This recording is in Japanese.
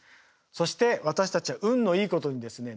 そして私たちは運のいいことにですね